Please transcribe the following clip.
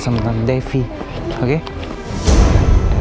atau aku sudah dirawat kunjung